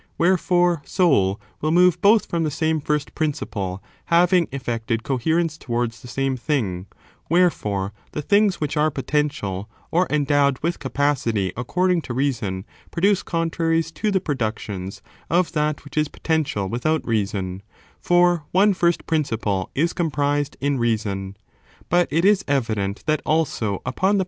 Wherefore, soul will move both from the same first principle, having effected coherence towards the same thing; wherefore, the things which are potential, or endowed with capacity according to reason, produce contraries to the productions of that which is poten tial without reason, for one first principle is comprised in reason. But it is evident that also upon the